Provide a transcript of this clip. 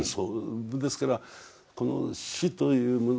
ですからこの死というもの